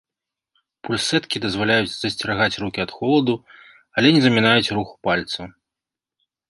Пульсэткі дазваляюць засцерагаць рукі ад холаду, але не замінаюць руху пальцаў.